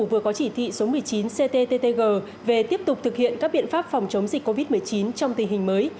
vừa có chỉ thị số một mươi chín cttg về tiếp tục thực hiện các biện pháp phòng chống dịch covid một mươi chín trong tình hình mới